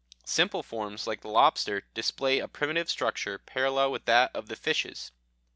Simple forms like the lobsters display a primitive structure parallel with that of the fishes.